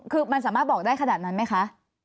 คือมันสามารถบอกได้ขนาดนั้นไหมคะ